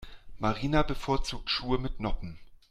Marina bevorzugt Schuhe mit Noppen.